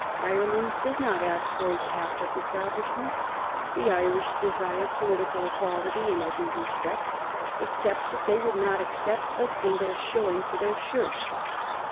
Ireland does not ask for a Catholic Establishment. The Irish desire political equality in every respect, except that they would not accept a single shilling for their Church."